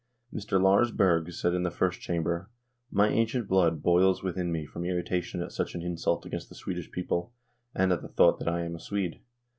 Mr. Lars Berg said in the First Chamber :" My ancient blood boils within me from irritation at such an insult against the Swedish people and at the thought that I am a Swede.